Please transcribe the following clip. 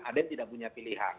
ada yang tidak punya pilihan